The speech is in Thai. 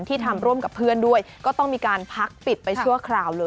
ที่ทำร่วมกับเพื่อนด้วยก็ต้องมีการพักปิดไปชั่วคราวเลย